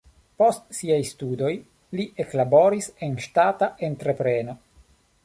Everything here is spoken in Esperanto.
Post siaj studoj li eklaboris en ŝtata entrepreno.